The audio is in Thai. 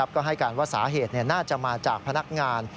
ก็ให้การว่าสาเหตุน่าจะมาจากพนักงาน